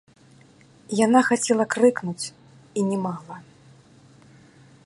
Яна хацела крыкнуць і не магла.